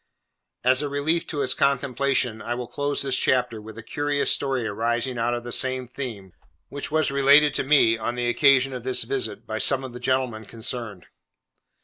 As a relief to its contemplation, I will close this chapter with a curious story arising out of the same theme, which was related to me, on the occasion of this visit, by some of the gentlemen concerned.